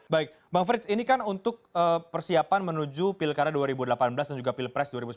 baik bang frits ini kan untuk persiapan menuju pilkada dua ribu delapan belas dan juga pilpres dua ribu sembilan belas